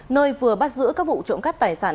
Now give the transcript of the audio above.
nơi vừa bắt giữ các vụ trộm cắp tài sản